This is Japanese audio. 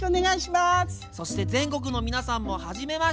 そして全国の皆さんもはじめまして。